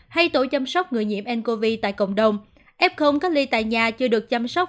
hay tổ chăm sóc người nhiễm ncov tại cộng đồng f cách ly tại nhà chưa được chăm sóc